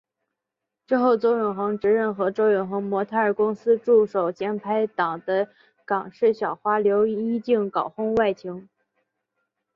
之后周永恒直认和周永恒模特儿公司助手兼拍档的港视小花刘依静搞婚外情。